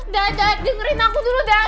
dad dengerin aku dulu dad